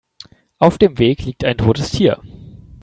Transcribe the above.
Auf dem Weg liegt ein totes Tier.